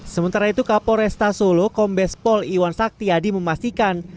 sementara itu kapol resta solo kombes pol iwan sakti adi memastikan